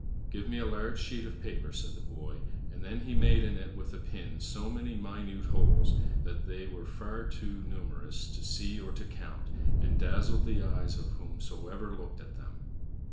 "Give me a large sheet of paper," said the boy; and then he made in it with a pin so many minute holes that they were far too numerous to see or to count, and dazzled the eyes of whomsoever looked at them.